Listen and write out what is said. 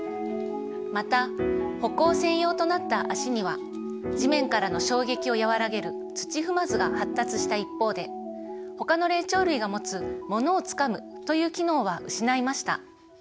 また歩行専用となったあしには地面からの衝撃を和らげる土踏まずが発達した一方でほかの霊長類がもつものをつかむという機能は失いました。